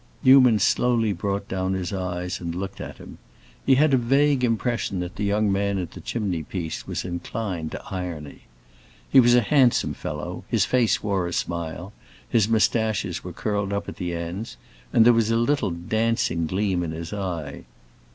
Newman slowly brought down his eyes and looked at him; he had a vague impression that the young man at the chimney piece was inclined to irony. He was a handsome fellow, his face wore a smile, his moustaches were curled up at the ends, and there was a little dancing gleam in his eye.